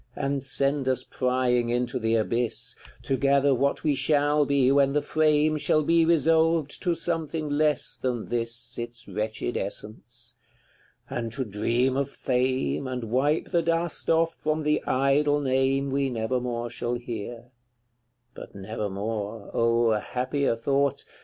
And send us prying into the abyss, To gather what we shall be when the frame Shall be resolved to something less than this Its wretched essence; and to dream of fame, And wipe the dust from off the idle name We never more shall hear, but never more, Oh, happier thought!